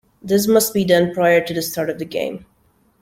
This must be done prior to the start of the game.